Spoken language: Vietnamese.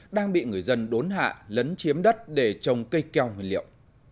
đang bị người dân đốn hạ lấn chiếm đất để trồng cây keo nguyên liệu